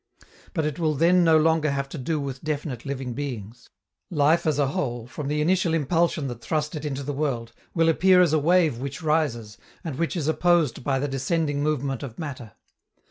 But it will then no longer have to do with definite living beings. Life as a whole, from the initial impulsion that thrust it into the world, will appear as a wave which rises, and which is opposed by the descending movement of matter.